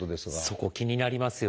そこ気になりますよね。